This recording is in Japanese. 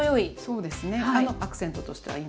そうですね。